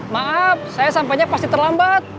maaf saya sampahnya pasti terlambat